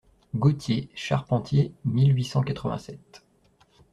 GAUTIER (Charpentier, mille huit cent quatre-vingt-sept.